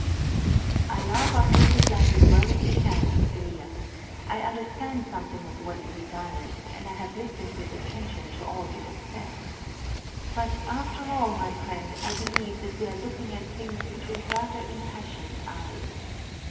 "I love our native land as well as you can, Elias; I understand something of what it desires, and I have listened with attention to all you have said. But, after all, my friend, I believe that we are looking at things through rather impassioned eyes.